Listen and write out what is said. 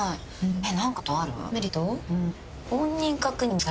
えっ？